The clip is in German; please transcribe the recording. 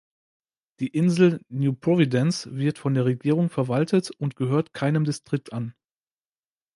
Die Insel New Providence wird von der Regierung verwaltet und gehört keinem Distrikt an.